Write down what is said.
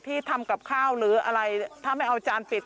ที่ทำกับข้าวหรืออะไรถ้าไม่เอาจานปิด